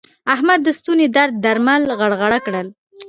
احمد د ستوني درد درمل غرغړه کړل.